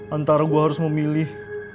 antara gue harus memilih